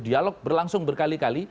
dialog berlangsung berkali kali